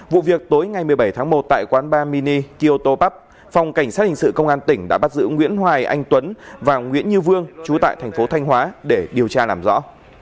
vụ việc tối ngày một mươi bảy tháng một tại quán ba mini kyoto park phòng cảnh sát hình sự công an tỉnh đã bắt giữ nguyễn hoài anh tuấn và nguyễn như vương chú tại thành phố thanh hóa để điều tra làm rõ